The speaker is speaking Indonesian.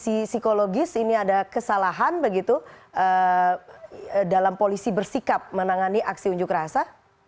dari sisi psikologis ini ada kesalahan begitu dalam polisi bersikap menangani aksi unjuk rasa